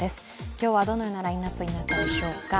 今日はどのようなラインナップになったでしょうか。